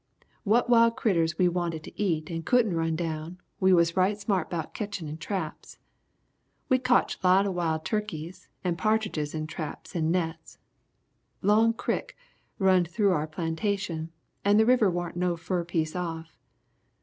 "What wild critters we wanted to eat and couldn't run down, we was right smart 'bout ketchin' in traps. We cotch lots of wild tukkeys and partidges in traps and nets. Long Crick runned through our plantation and the river warn't no fur piece off.